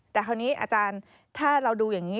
แต่คราวนี้อาจารย์ถ้าเราดูอย่างนี้